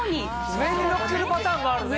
上にのっけるパターンもあるね。